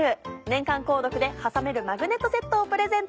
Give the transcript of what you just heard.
年間購読ではさめるマグネットセットをプレゼント。